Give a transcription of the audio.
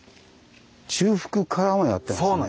中腹からもやってますね。